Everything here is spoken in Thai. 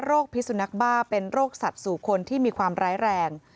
พิสุนักบ้าเป็นโรคสัตว์สู่คนที่มีความร้ายแรง